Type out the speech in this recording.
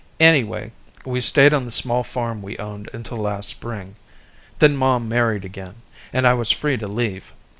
Anyway, we stayed on the small farm we owned until last spring. Then Mom married again, and I was free to leave.